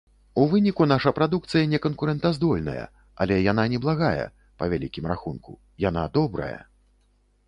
У выніку наша прадукцыя не канкурэнтаздольная, але яна неблагая, па вялікім рахунку, яна добрая!